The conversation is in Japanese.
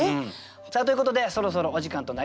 さあということでそろそろお時間となりました。